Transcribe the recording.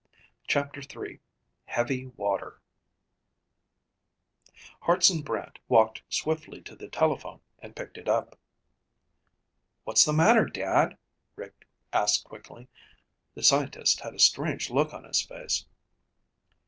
CHAPTER III Heavy Water Hartson Brant walked swiftly to the telephone and picked it up. "What's the matter, Dad?" Rick asked quickly. The scientist had a strange look on his face.